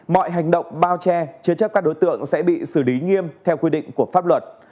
mọi hành động bao che chế chấp các đối tượng sẽ bị xử lý nghiêm theo quy định của pháp luật